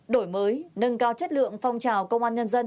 đổi mới nâng cao chất lượng phong trào công an nhân dân